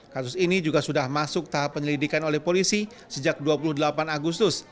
kasus ini juga sudah masuk tahap penyelidikan oleh polisi sejak dua puluh delapan agustus